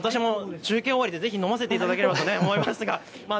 じゃあ私も中継終わりでぜひ飲ませていただければと思います。